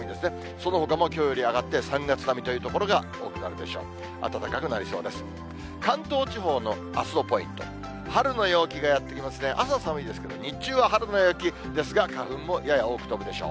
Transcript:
そのほかもきょうより上がって、３月並みという所が多くなるでしょう。